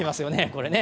これね。